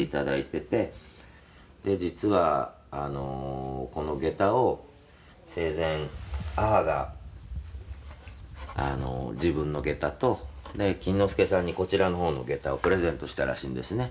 「実はこの下駄を生前母が自分の下駄と錦之介さんにこちらの方の下駄をプレゼントしたらしいんですね」